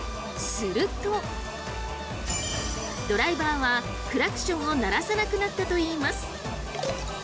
するとドライバーはクラクションを鳴らさなくなったといいます。